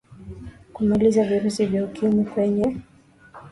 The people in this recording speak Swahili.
kuumaliza virusi vya ukimwi kwenye